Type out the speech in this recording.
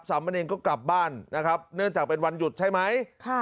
สามเณรก็กลับบ้านนะครับเนื่องจากเป็นวันหยุดใช่ไหม